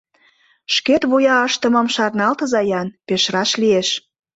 Шкет вуя ыштымым шарналтыза-ян: пеш раш лиеш.